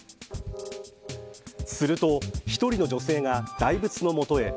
すると、１人の女性が大仏のもとへ。